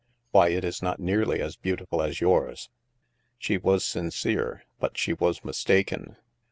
*' Why it is not nearly as beautiful as yours." She was sincere, but she was mistaken.